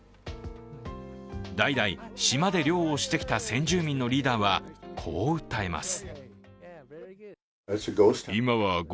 代々、島で漁をしてきた先住民のリーダーはこう訴えます。